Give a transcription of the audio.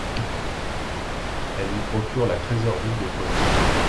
Elle lui procure la trésorerie de Poitiers.